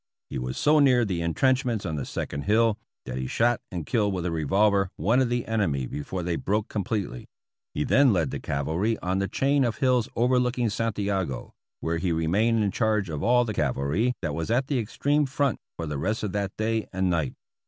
He was so near the intrenchments on the second hill, that he shot and killed with a revolver one of the enemy before they broke completely. He then led the cavalry on the chain of hills Overlooking Santiago, where he remained in charge of all the cavalry that was at the extreme front for the rest of that day and night.